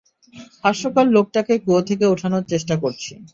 হাস্যকর লোকটাকে কুয়ো থেকে উঠানোর চেষ্টা করছি।